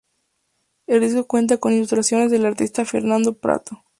El disco cuenta con ilustraciones del artista Fernando Prato.